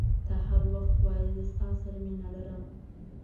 ته هر وخت وایي زه ستا سره مینه لرم.